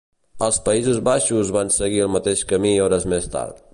Els Països Baixos van seguir el mateix camí hores més tard.